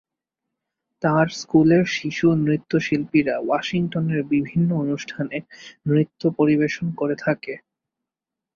তাঁর স্কুলের শিশু নৃত্যশিল্পীরা ওয়াশিংটনের বিভিন্ন অনুষ্ঠানে নৃত্য পরিবেশন করে থাকে।